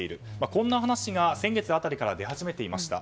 こんな話が先月辺りから出始めていました。